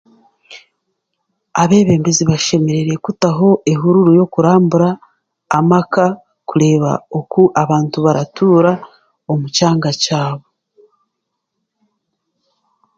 Abebembezi bashemereire kutaho ehuruuru y'okurambura amaka kureba oku abantu baratuura omu kyanga kyabo.